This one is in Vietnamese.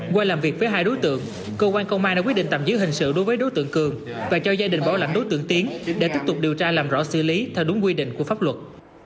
qua làm việc với hai đối tượng cơ quan công an đã quyết định tạm giữ hình sự đối với đối tượng cường và cho gia đình bảo lãnh đối tượng tiến để tiếp tục điều tra làm rõ xử lý theo đúng quy định của pháp luật